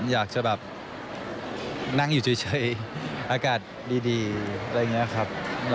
อยากจะแบบนั่งอยู่เจ๊ยอากาศดีนะครับ